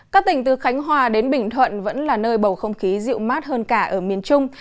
các tỉnh từ khánh hòa đến bình thuận vẫn là nơi bầu không khí dịu mát hơn cả ở miền trung